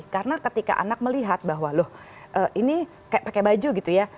karena ketika anak melihat bahwa loh ini kayak pakai baju gitu ya